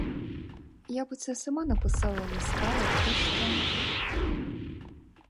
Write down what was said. Я б оце сама написала листа абощо.